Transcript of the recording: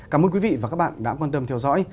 cảm ơn quý vị và các bạn đã quan tâm theo dõi